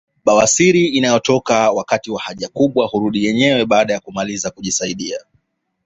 Bawasiri inayotoka wakati wa haja kubwa kurudi yenyewe baada ya kumaliza kujisaidia